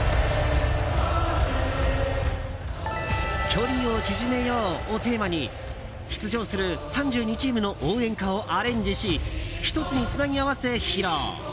距離を縮めようをテーマに出場する３２チームの応援歌をアレンジし１つにつなぎ合わせ披露。